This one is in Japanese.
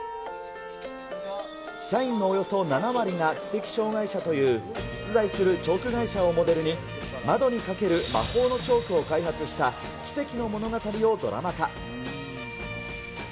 社員のおよそ７割が知的障がい者という実在するチョーク会社をモデルに、窓に描ける魔法のチョークを開発した奇跡の物語をドラマ化。